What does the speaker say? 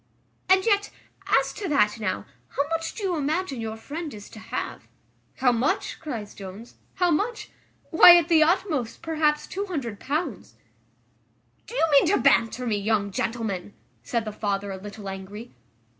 "And yet, as to that now, how much do you imagine your friend is to have?" "How much?" cries Jones, "how much? Why, at the utmost, perhaps £200." "Do you mean to banter me, young gentleman?" said the father, a little angry.